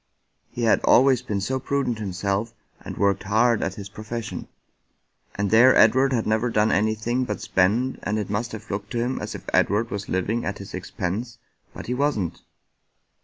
" He had always been so prudent himself, and worked hard at his profession, and there Edward had never done anything but spend, and it must have looked to him as if Edward was living at his expense, but he wasn't."